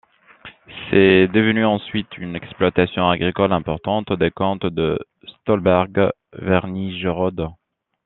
C'est devenu ensuite une exploitation agricole importante des comtes de Stolberg-Wernigerode.